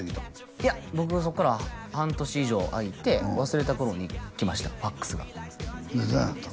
いや僕はそこから半年以上空いて忘れた頃にきましたファックスがどうやったの？